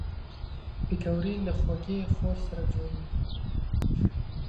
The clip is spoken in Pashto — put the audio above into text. پکورې له خوږې خور سره جوړېږي